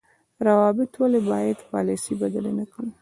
روابط ولې باید پالیسي بدله نکړي؟